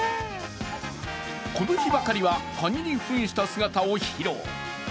この日ばかりは、カニにふんした姿を披露。